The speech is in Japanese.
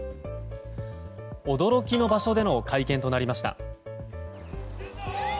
驚きの場所での会見となりました。